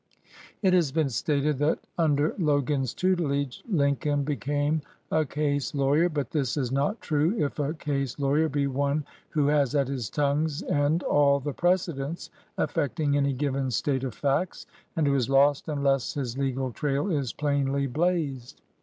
It has been stated that under Logan's tutelage Lincoln became a "case lawyer," but this is not true if a case lawyer be one who has at his tongue's end all the precedents affecting any given state of facts, and who is lost unless his legal trail is plainly blazed.